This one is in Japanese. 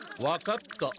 分かった。